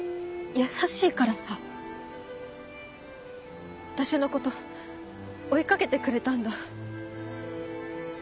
優しいからさ私のこと追いかけてくれたんだ。